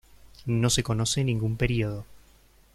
No se conoce ningún período.